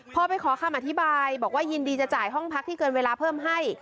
พอไปขอคำอธิบายบอกว่ายินดีจะจ่ายห้องพักที่เกินเวลาเพิ่มให้